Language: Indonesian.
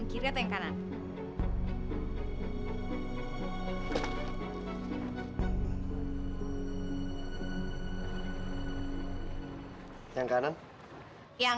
kau percaya sama dia